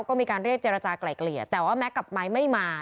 ก็มีการเรียกเจรจากลายเกลี่ยแต่ว่าแก๊กกับไม้ไม่มา